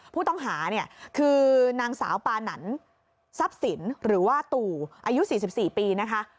ผู้ต้องหาเนี่ยคือนางสาวปานันทรัพย์สินหรือว่าตู่อายุ๔๔ปีนะคะ